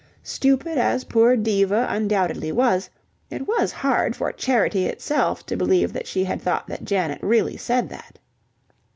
Stupid as poor Diva undoubtedly was, it was hard for Charity itself to believe that she had thought that Janet really said that.